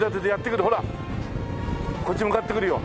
こっち向かってくるよ。